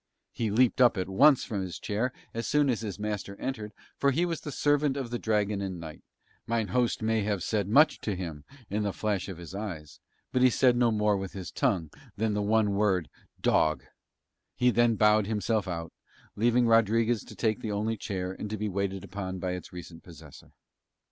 He leaped up at once from his chair as soon as his master entered, for he was the servant at the Dragon and Knight; mine host may have said much to him with a flash of his eyes, but he said no more with his tongue than the one word, "Dog": he then bowed himself out, leaving Rodriguez to take the only chair and to be waited upon by its recent possessor.